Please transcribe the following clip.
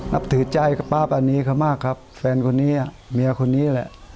นับถือใจกับป้าปานีเขามากครับแฟนคนนี้เมียคนนี้แหละ